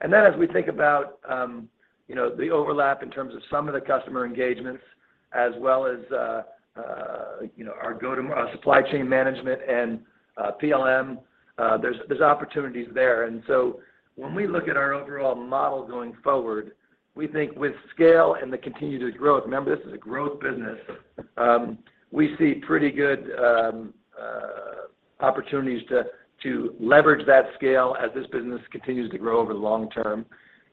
Then as we think about, you know, the overlap in terms of some of the customer engagements as well as, you know, our supply chain management and, PLM, there's opportunities there. When we look at our overall model going forward, we think with scale and the continued growth, remember, this is a growth business, we see pretty good opportunities to leverage that scale as this business continues to grow over the long term.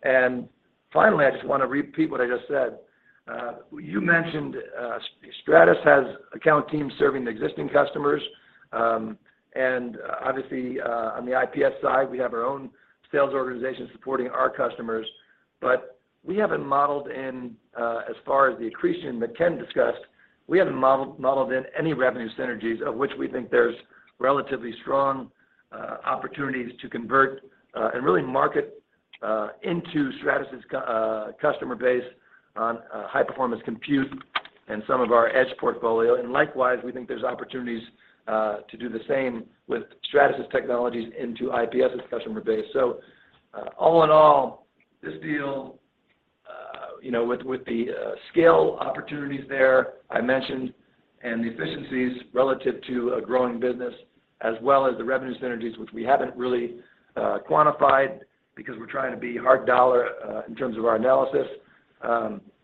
Finally, I just want to repeat what I just said. You mentioned, Stratus has account teams serving the existing customers. Obviously, on the IPS side, we have our own sales organization supporting our customers. We haven't modeled in as far as the accretion that Ken discussed, we haven't modeled in any revenue synergies of which we think there's relatively strong opportunities to convert and really market into Stratus' customer base on high-performance compute and some of our edge portfolio. Likewise, we think there's opportunities to do the same with Stratus' technologies into IPS' customer base. All in all, this deal you know with the scale opportunities there I mentioned and the efficiencies relative to a growing business as well as the revenue synergies, which we haven't really quantified because we're trying to be hard dollar in terms of our analysis.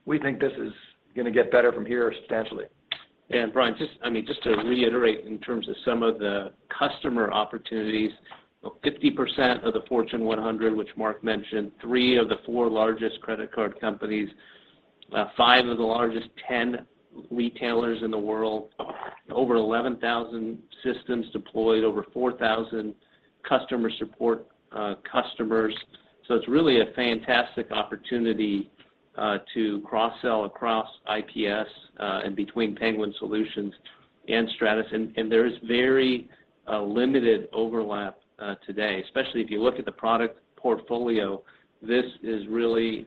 We think this is gonna get better from here substantially.
Brian, just, I mean, just to reiterate in terms of some of the customer opportunities, you know, 50% of the Fortune 100, which Mark mentioned, three of the four largest credit card companies, five of the largest 10 retailers in the world, over 11,000 systems deployed, over 4,000 customer support customers. It's really a fantastic opportunity to cross-sell across IPS and between Penguin Solutions and Stratus. There is very limited overlap today, especially if you look at the product portfolio, this is really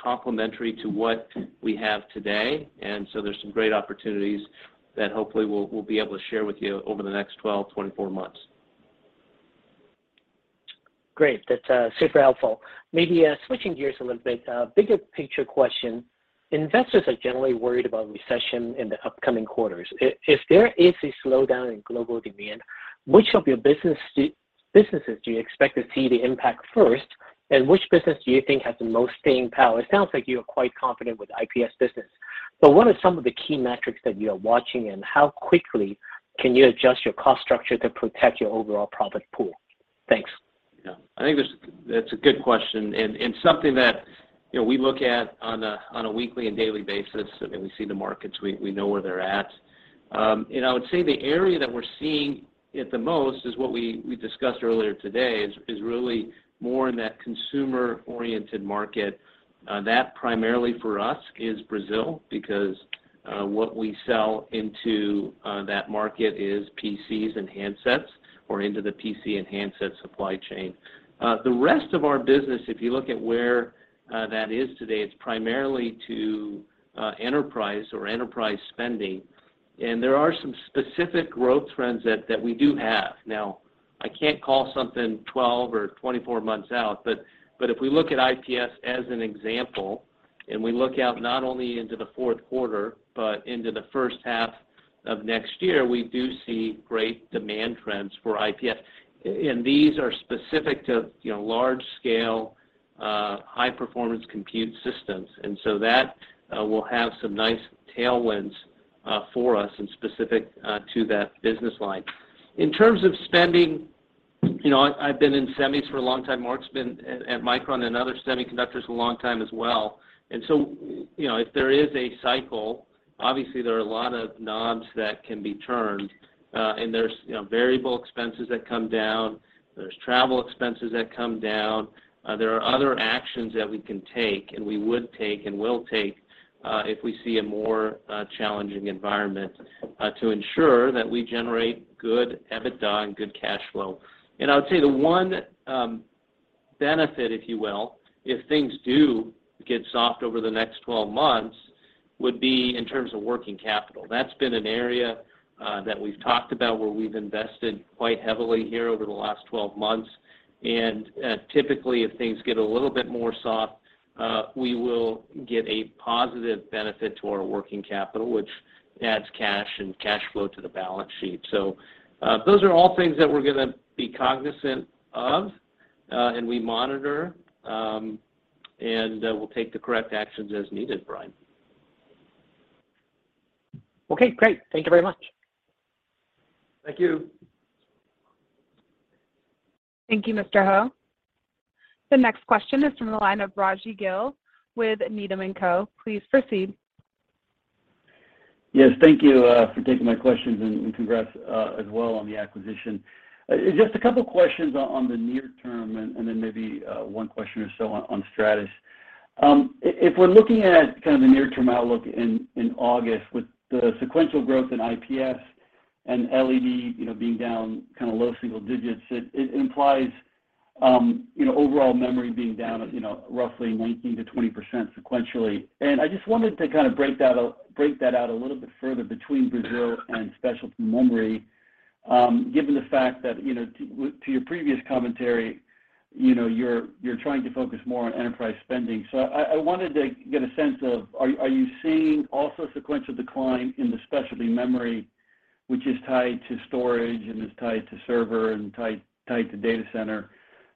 complementary to what we have today. There's some great opportunities that hopefully we'll be able to share with you over the next 12-24 months.
Great. That's super helpful. Maybe switching gears a little bit, bigger picture question. Investors are generally worried about recession in the upcoming quarters. If there is a slowdown in global demand, which of your businesses do you expect to see the impact first, and which business do you think has the most staying power? It sounds like you're quite confident with IPS business, but what are some of the key metrics that you are watching, and how quickly can you adjust your cost structure to protect your overall profit pool? Thanks.
Yeah. I think that's a good question and something that, you know, we look at on a weekly and daily basis. I mean, we see the markets, we know where they're at. I would say the area that we're seeing it the most is what we discussed earlier today, is really more in that consumer-oriented market. That primarily for us is Brazil, because what we sell into that market is PCs and handsets or into the PC and handset supply chain. The rest of our business, if you look at where that is today, it's primarily to enterprise or enterprise spending. There are some specific growth trends that we do have. Now, I can't call something 12-24 months out, but if we look at IPS as an example, and we look out not only into the fourth quarter, but into the first half of next year, we do see great demand trends for IPS. And these are specific to, you know, large scale, high-performance compute systems. And so that will have some nice tailwinds for us and specific to that business line. In terms of spending, you know, I've been in semis for a long time. Mark's been at Micron and other semiconductors a long time as well. You know, if there is a cycle, obviously there are a lot of knobs that can be turned, and there's, you know, variable expenses that come down, there's travel expenses that come down. There are other actions that we can take, and we would take, and will take, if we see a more challenging environment to ensure that we generate good EBITDA and good cash flow. I would say the one benefit, if you will, if things do get soft over the next 12 months, would be in terms of working capital. That's been an area that we've talked about where we've invested quite heavily here over the last 12 months. Typically, if things get a little bit more soft, we will get a positive benefit to our working capital, which adds cash and cash flow to the balance sheet. Those are all things that we're gonna be cognizant of, and we monitor, and we'll take the correct actions as needed, Brian.
Okay, great. Thank you very much.
Thank you.
Thank you, Mr. Ho. The next question is from the line of Raji Gill with Needham & Co. Please proceed.
Yes, thank you for taking my questions and congrats as well on the acquisition. Just a couple of questions on the near term and then maybe one question or so on Stratus. If we're looking at kind of the near-term outlook in August with the sequential growth in IPS and LED, you know, being down kind of low single digits, it implies, you know, overall memory being down, you know, roughly 19%-20% sequentially. I just wanted to kind of break that out a little bit further between DRAM and specialty memory, given the fact that, you know, to your previous commentary, you know, you're trying to focus more on enterprise spending. I wanted to get a sense of are you seeing also sequential decline in the specialty memory, which is tied to storage and is tied to server and tied to data center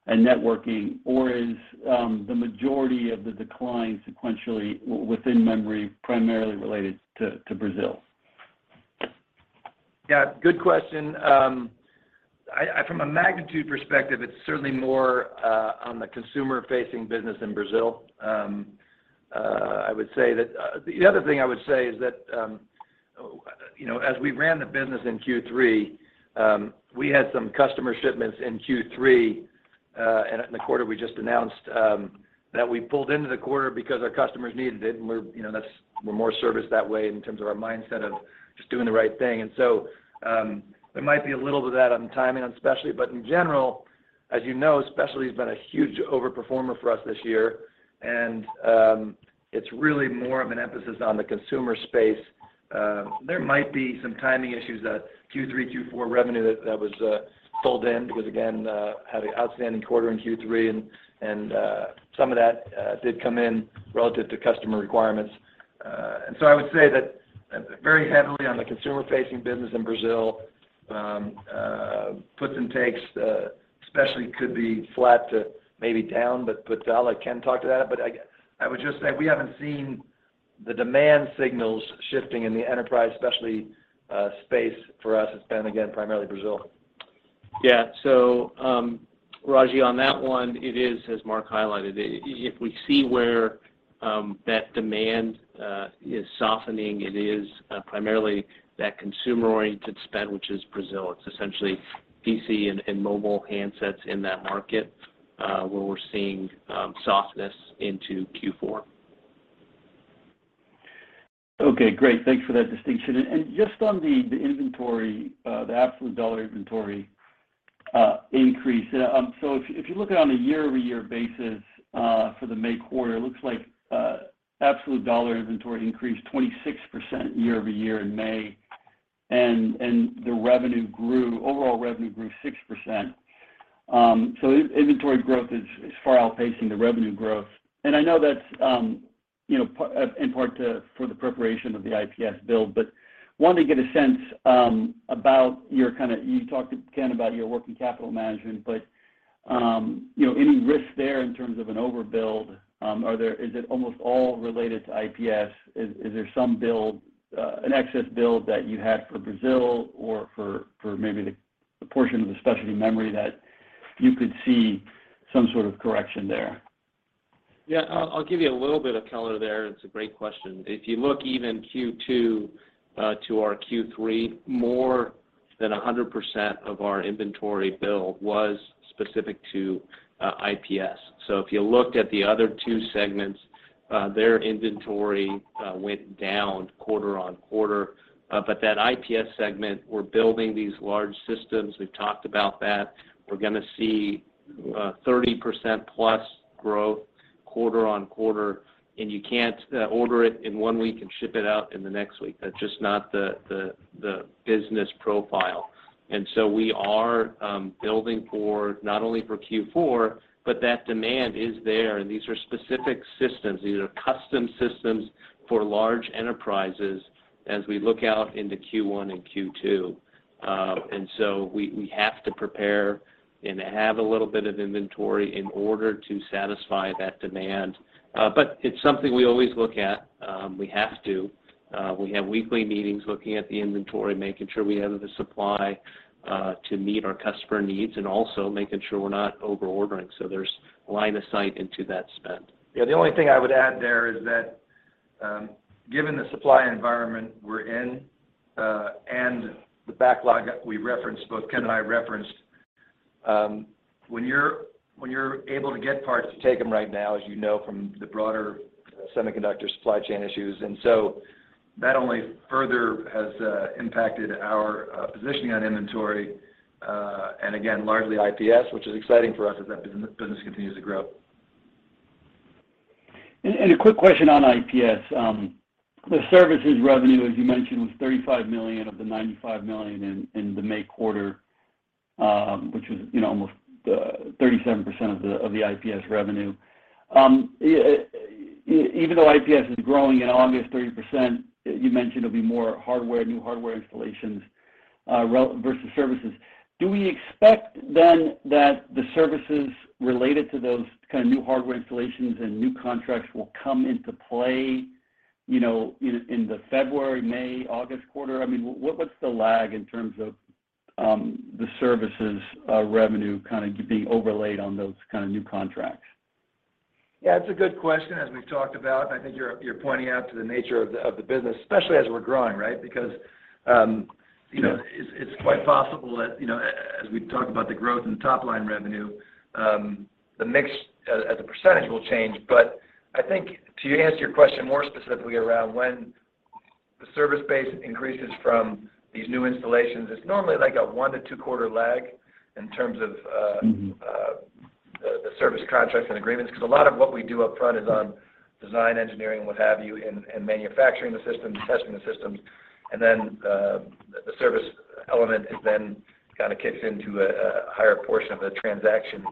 and networking? Or is the majority of the decline sequentially within memory primarily related to Brazil?
Yeah, good question. From a magnitude perspective, it's certainly more on the consumer-facing business in Brazil. I would say that the other thing I would say is that, you know, as we ran the business in Q3, we had some customer shipments in Q3, and in the quarter we just announced, that we pulled into the quarter because our customers needed it, and we're, you know, we're more serviced that way in terms of our mindset of just doing the right thing. There might be a little of that on timing on specialty, but in general, as you know, specialty's been a huge over performer for us this year. It's really more of an emphasis on the consumer space. There might be some timing issues, that Q3, Q4 revenue that was pulled in because, again, had an outstanding quarter in Q3 and some of that did come in relative to customer requirements.
I would say that and very heavily on the consumer-facing business in Brazil, puts and takes, especially could be flat to maybe down. Val or Ken can talk to that. I would just say we haven't seen the demand signals shifting in the enterprise, especially, space for us. It's been, again, primarily Brazil.
Raji, on that one, it is, as Mark highlighted, if we see where that demand is softening, it is primarily that consumer-oriented spend, which is Brazil. It's essentially PC and mobile handsets in that market, where we're seeing softness into Q4.
Okay. Great. Thanks for that distinction. Just on the inventory, the absolute dollar inventory increase. So if you look on a year-over-year basis, for the May quarter, it looks like absolute dollar inventory increased 26% year-over-year in May, and overall revenue grew 6%. So inventory growth is far outpacing the revenue growth. I know that's you know, in part for the preparation of the IPS build, but wanted to get a sense about your kind of. You talked to Ken about your working capital management, but you know, any risk there in terms of an overbuild, is it almost all related to IPS? Is there some build, an excess build that you had for Brazil or for maybe the portion of the specialty memory that you could see some sort of correction there?
Yeah. I'll give you a little bit of color there, and it's a great question. If you look even Q2 to our Q3, more than 100% of our inventory build was specific to IPS. So if you looked at the other two segments, their inventory went down quarter-on-quarter. But that IPS segment, we're building these large systems. We've talked about that. We're gonna see 30%+ growth quarter-on-quarter, and you can't order it in one week and ship it out in the next week. That's just not the business profile. We are building for not only for Q4, but that demand is there, and these are specific systems. These are custom systems for large enterprises as we look out into Q1 and Q2. We have to prepare and have a little bit of inventory in order to satisfy that demand. It's something we always look at. We have to. We have weekly meetings looking at the inventory, making sure we have the supply to meet our customer needs, and also making sure we're not over ordering. There's line of sight into that spend.
Yeah. The only thing I would add there is that, given the supply environment we're in, and the backlog that we referenced, both Ken and I referenced, when you're able to get parts, you take them right now, as you know, from the broader semiconductor supply chain issues. That only further has impacted our positioning on inventory, and again, largely IPS, which is exciting for us as that business continues to grow.
A quick question on IPS. The services revenue, as you mentioned, was $35 million of the $95 million in the May quarter, which was, you know, almost 37 percent of the IPS revenue. Even though IPS is growing in August, thirty percent, you mentioned there'll be more hardware, new hardware installations versus services. Do we expect then that the services related to those kind of new hardware installations and new contracts will come into play, you know, in the February, May, August quarter? I mean, what's the lag in terms of the services revenue kind of being overlaid on those kind of new contracts?
Yeah, it's a good question, as we've talked about. I think you're pointing out to the nature of the business, especially as we're growing, right? Because, you know-
Sure
It's quite possible that, you know, as we talk about the growth in top line revenue, the mix as a percentage will change. I think to answer your question more specifically around when the service base increases from these new installations, it's normally like a one to two quarter lag in terms of.
Mm-hmm
The service contracts and agreements, 'cause a lot of what we do upfront is on design, engineering, what have you, and manufacturing the systems, testing the systems. The service element is then kinda kicks into a higher portion of the transaction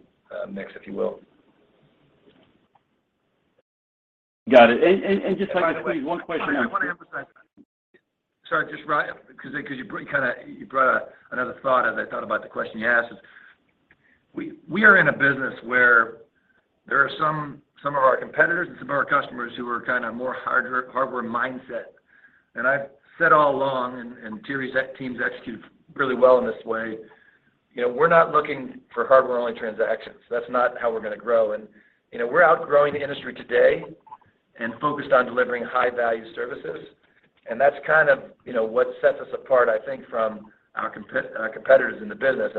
mix, if you will.
Got it. Just quickly, one question on
By the way, Raji, I wanna emphasize. Sorry, just Raji, 'cause you kinda brought another thought as I thought about the question you asked. We are in a business where there are some of our competitors and some of our customers who are kinda more hardware mindset. I've said all along, and Thierry's teams execute really well in this way. You know, we're not looking for hardware-only transactions. That's not how we're gonna grow. You know, we're outgrowing the industry today and focused on delivering high-value services, and that's kind of, you know, what sets us apart, I think, from our competitors in the business.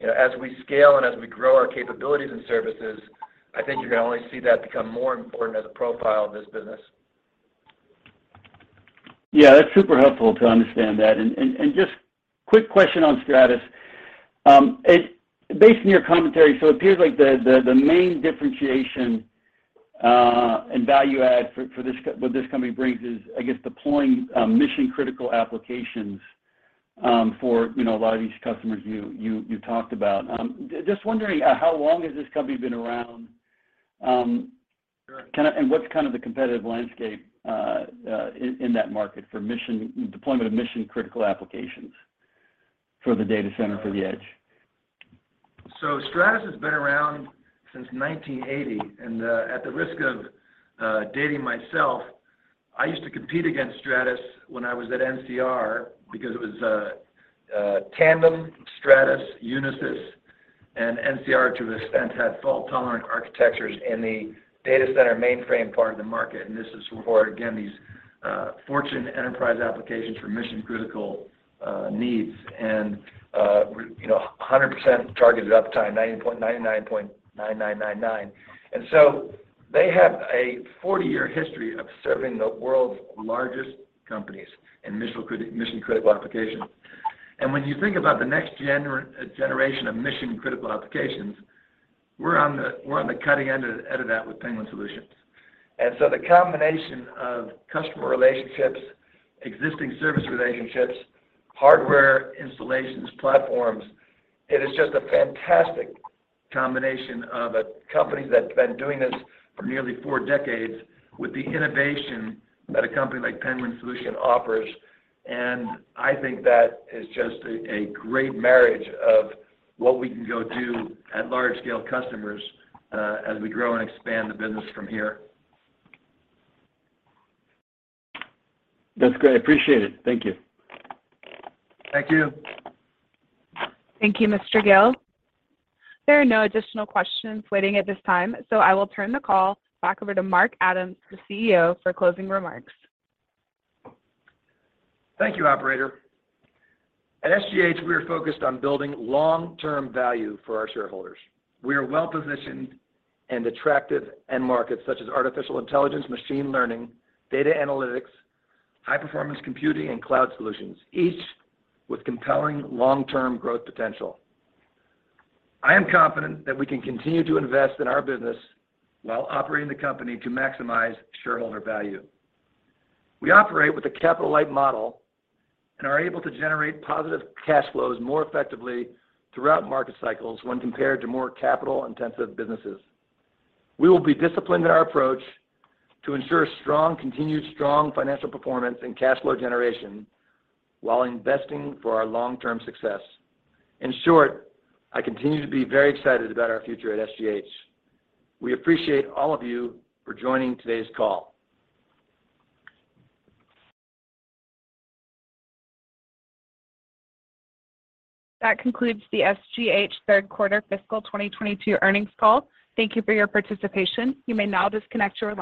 You know, as we scale and as we grow our capabilities and services, I think you're gonna only see that become more important as a profile of this business.
Yeah, that's super helpful to understand that. Just quick question on Stratus. Based on your commentary, so it appears like the main differentiation and value add for what this company brings is, I guess, deploying mission-critical applications for, you know, a lot of these customers you talked about. Just wondering how long has this company been around? Kind of, what's kind of the competitive landscape in that market for deployment of mission-critical applications for the data center for the edge?
Stratus has been around since 1980, at the risk of dating myself, I used to compete against Stratus when I was at NCR because it was Tandem, Stratus, Unisys, and NCR to an extent, had fault-tolerant architectures in the data center mainframe part of the market. This is for, again, these Fortune enterprise applications for mission-critical needs and, you know, 100% targeted uptime, 99.9999%. They have a 40-year history of serving the world's largest companies in mission-critical applications. When you think about the next generation of mission-critical applications, we're on the cutting edge of that with Penguin Solutions. The combination of customer relationships, existing service relationships, hardware installations, platforms, it is just a fantastic combination of a company that's been doing this for nearly four decades with the innovation that a company like Penguin Solutions offers. I think that is just a great marriage of what we can go do at large scale customers, as we grow and expand the business from here.
That's great. Appreciate it. Thank you.
Thank you.
Thank you, Mr. Gill. There are no additional questions waiting at this time, so I will turn the call back over to Mark Adams, the CEO, for closing remarks.
Thank you, operator. At SGH, we are focused on building long-term value for our shareholders. We are well-positioned in attractive end markets such as artificial intelligence, machine learning, data analytics, high-performance computing, and cloud solutions, each with compelling long-term growth potential. I am confident that we can continue to invest in our business while operating the company to maximize shareholder value. We operate with a capital-light model and are able to generate positive cash flows more effectively throughout market cycles when compared to more capital-intensive businesses. We will be disciplined in our approach to ensure strong, continued strong financial performance and cash flow generation while investing for our long-term success. In short, I continue to be very excited about our future at SGH. We appreciate all of you for joining today's call.
That concludes the SGH third quarter fiscal 2022 earnings call. Thank you for your participation. You may now disconnect your line.